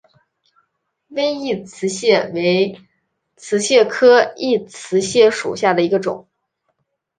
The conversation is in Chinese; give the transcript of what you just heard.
微异瓷蟹为瓷蟹科异瓷蟹属下的一个种。